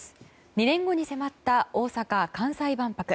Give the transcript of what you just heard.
２年後に迫った大阪・関西万博。